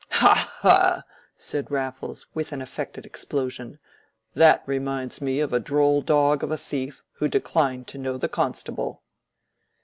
"Ha, ha!" said Raffles, with an affected explosion, "that reminds me of a droll dog of a thief who declined to know the constable."